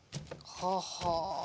ははあ。